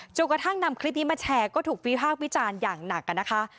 กระทั่งนำคลิปนี้มาแชร์ก็ถูกวิพากษ์วิจารณ์อย่างหนักนะคะ